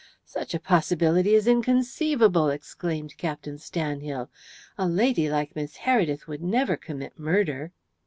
"Such a possibility is inconceivable," exclaimed Captain Stanhill. "A lady like Miss Heredith would never commit murder."